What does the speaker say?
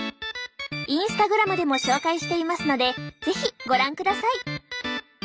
インスタグラムでも紹介していますので是非ご覧ください！